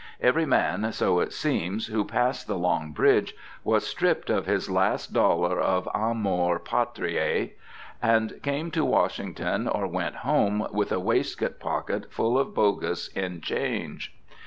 Every man so it seems who passed the Long Bridge was stripped of his last dollar of Amor Patriae, and came to Washington, or went home, with a waistcoat pocket full of bogus in change.